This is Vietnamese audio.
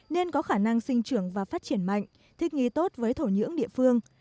nên có khả năng sinh trưởng và phát triển mạnh thích nghi tốt với thổ nhưỡng địa phương